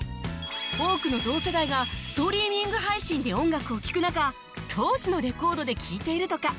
多くの同世代がストリーミング配信で音楽を聴く中当時のレコードで聴いているとか